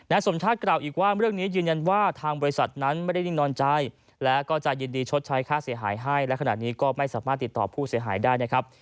สมชาติกล่าวอีกว่าเรื่องนี้ยืนยันว่าทางบริษัทนั้นไม่ได้นิ่งนอนใจและก็จะยินดีชดใช้ค่าเสียหายให้และขณะนี้ก็ไม่สามารถติดต่อผู้เสียหายได้นะครับ